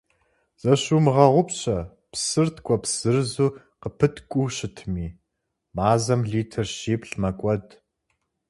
Зыщумыгъэгъупщэ: псыр ткӀуэпс зырызу къыпыткӀуу щытми, мазэм литр щиплӀ мэкӀуэд.